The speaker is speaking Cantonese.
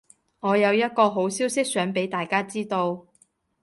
我有一個好消息想畀大家知道